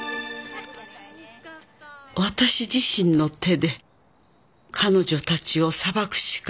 「私自身の手で彼女たちを裁くしかないと」